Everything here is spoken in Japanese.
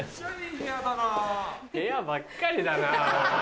部屋ばっかりだなもう。